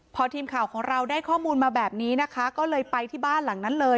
พอทีมข่าวของเราได้ข้อมูลมาแบบนี้นะคะก็เลยไปที่บ้านหลังนั้นเลย